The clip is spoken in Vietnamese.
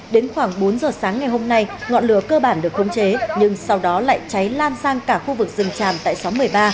đến khoảng bốn giờ sáng ngày hôm nay ngọn lửa cơ bản được khống chế nhưng sau đó lại cháy lan sang cả khu vực rừng tràm tại xóm một mươi ba